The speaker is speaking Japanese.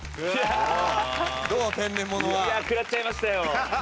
食らっちゃいましたよ。